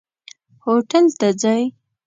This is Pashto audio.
هوټل ته ځئ؟